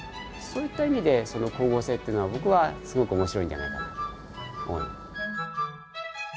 そういった意味でその光合成っていうのは僕はすごく面白いんじゃないかなと思います。